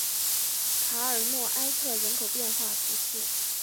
卡尔诺埃特人口变化图示